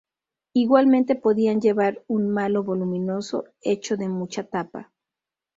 Igualmente podían llevar un malo voluminoso, hecho de mucha tapa.